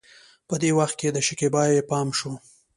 په دې وخت کې د شکيبا پې پام شو.